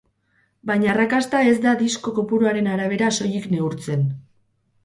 Baina arrakasta ez da disko kopuruaren arabera soilik neurtzen.